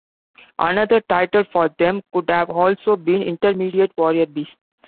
Another title for them could have also been Indeterminate Warrior Beasts.